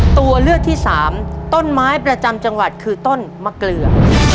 ตัวเลือกที่สามต้นไม้ประจำจังหวัดคือต้นมะเกลือ